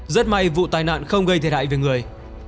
rất may vụ tài nạn không gây thể đại với người